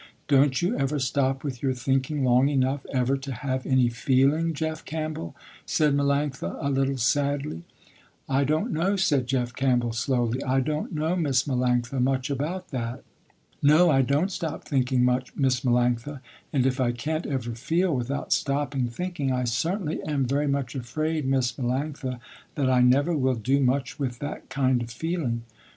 "Don't you ever stop with your thinking long enough ever to have any feeling Jeff Campbell," said Melanctha a little sadly. "I don't know," said Jeff Campbell slowly, "I don't know Miss Melanctha much about that. No, I don't stop thinking much Miss Melanctha and if I can't ever feel without stopping thinking, I certainly am very much afraid Miss Melanctha that I never will do much with that kind of feeling.